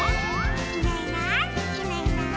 「いないいないいないいない」